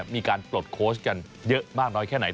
มีการบริสุทธิ์โค้ชกันเยอะมากน้อยแค่ไหน